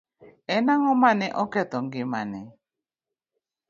En ang'o ma ne oketho ngimane?